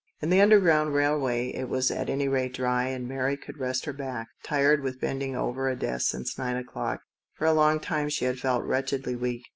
In the Underground Railway it was at any rate dry, and Mary could rest her back, tired with bending over a desk since nine o'clock. For a long time she had felt wretchedly weak.